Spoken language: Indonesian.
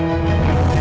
amara um juan